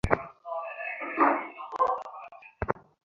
উনি স্থানীয় গ্রামবাসীদের সাথে নিয়ে কাজ করছেন।